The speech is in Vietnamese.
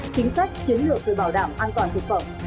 chính sách chiến lược về bảo đảm an toàn thực phẩm